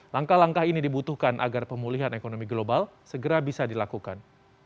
langkah langkah ini dibutuhkan agar pemulihan ekonomi global segera bisa dilakukan